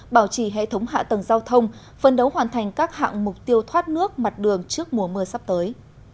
bảo trì hệ thống hạ tầng giao thông phân đấu hoàn thành các hạng mục tiêu thoát nước mặt đường trước mùa mưa sắp tới